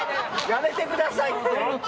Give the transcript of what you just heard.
やめてくださいって！